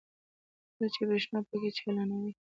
کله چې برېښنايي پکې چالانوي.